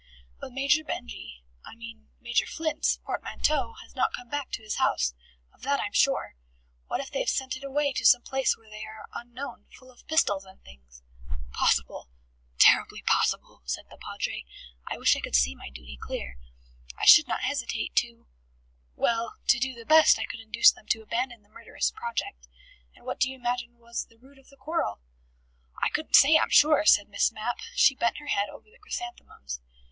But Major Benjy's I mean Major Flint's portmanteau has not come back to his house. Of that I'm sure. What if they have sent it away to some place where they are unknown, full of pistols and things?" "Possible terribly possible," said the Padre. "I wish I could see my duty clear. I should not hesitate to well, to do the best I could to induce them to abandon this murderous project. And what do you imagine was the root of the quarrel?" "I couldn't say, I'm sure," said Miss Mapp. She bent her head over the chrysanthemums.